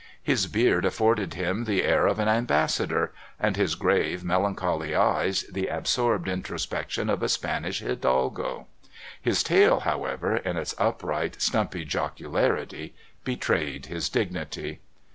His beard afforded him the air of an ambassador, and his grave, melancholy eyes the absorbed introspection of a Spanish hidalgo; his tail, however, in its upright, stumpy jocularity, betrayed his dignity.